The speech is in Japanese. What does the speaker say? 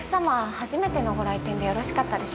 初めてのご来店でよろしかったでしょうか？